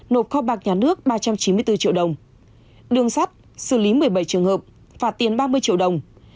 nộp kho bạc nhà nước ba trăm chín mươi bốn triệu đồng đường sắt xử lý một mươi bảy trường hợp phạt tiền ba mươi triệu đồng